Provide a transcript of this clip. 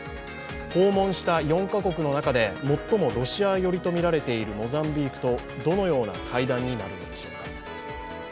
訪問した４か国の中で最もロシア寄りとみられているモザンビークとどのような会談になるのでしょうか。